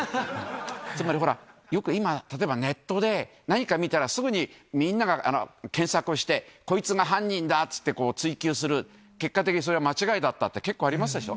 つまり、よく今、例えば、ネットで何か見たら、すぐにみんなが検索をして、こいつが犯人だって、追及する、結果的にそれは間違いだったって、結構ありますでしょ。